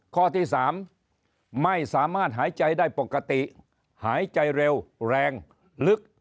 ข้อที่๓ไม่สามารถหายใจได้ปกติหายใจเร็วแรงลึก